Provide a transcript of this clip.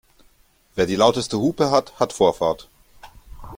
Wer die lauteste Hupe hat, hat Vorfahrt.